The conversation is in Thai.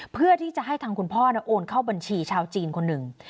เพื่อที่จะให้ทางคุณพ่อโอนเข้าบัญชีชาวจีนคนหนึ่ง